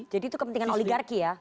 jadi itu kepentingan oligarki ya